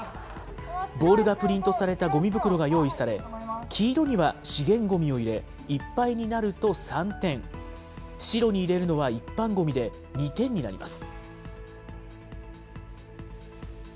ボールがプリントされたごみ袋が用意され、黄色には資源ごみを入れ、いっぱいになると３点、白に入れるのは一般ごみで２点になります。